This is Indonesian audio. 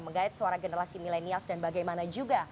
mengait suara generasi milenials dan bagaimana juga